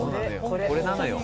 これなのよ。